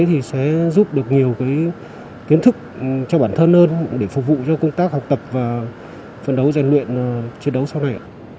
thì sẽ giúp được nhiều kiến thức cho bản thân hơn để phục vụ cho công tác học tập và phân đấu rèn luyện chiến đấu sau này